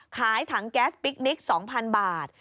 ขายถังแก๊สพิคนิค๒๐๐บาท